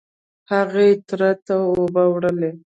هغې تره ته اوبه وړلې.